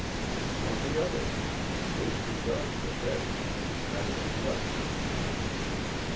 On the other hand, his regard for Betty was a matter of less certainty.